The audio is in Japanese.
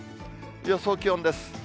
予想気温です。